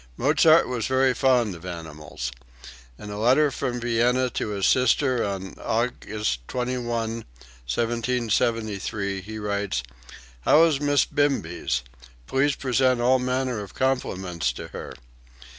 Mozart was very fond of animals. In a letter from Vienna to his sister on August 21, 1773, he writes: "How is Miss Bimbes? Please present all manner of compliments to her."